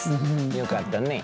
よかったね。